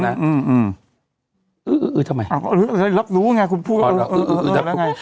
เมื่อไหร่ทำไมครับ